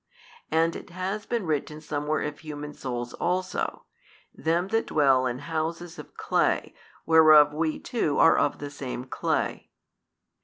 And it has been written somewhere of human souls also, Them that dwell in houses of clay, whereof we too are of the same clay.